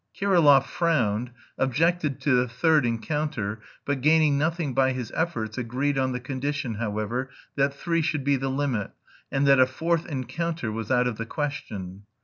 Kirillov frowned, objected to the third encounter, but gaining nothing by his efforts agreed on the condition, however, that three should be the limit, and that "a fourth encounter was out of the question."